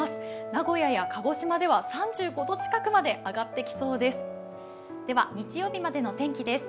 名古屋や鹿児島では３５度近くまで上がってきそうです。